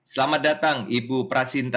selamat datang ibu prasinta